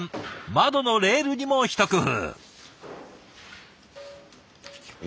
窓のレールにも一工夫。